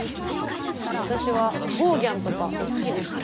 私はゴーギャンとか好きですよ。